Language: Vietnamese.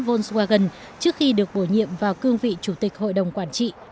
volkswagen trước khi được bổ nhiệm vào cương vị chủ tịch hội đồng quản trị